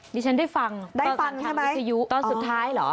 ดิฉันได้ฟังได้ฟังแค่วิทยุตอนสุดท้ายเหรอ